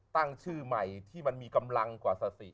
ตั้งชื่อใหม่ที่มันมีกำลังกว่าสติ